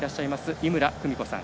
井村久美子さん